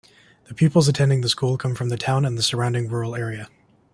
The pupils attending the school come from the town and the surrounding rural area.